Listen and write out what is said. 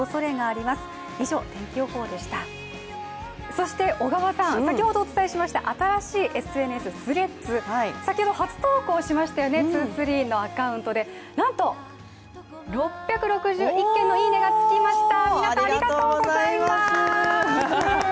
そして小川さん、先ほどお伝えしました新しいＳＮＳＴｈｒｅａｄｓ、先ほど初投稿しましたよね、「２３」のアカウントで、なんと６６１件のいいねがつきました。